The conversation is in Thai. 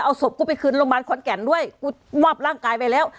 เอาศพกูไปคืนโรงพยาบาลขอนแก่นด้วยกูมอบร่างกายไปแล้ว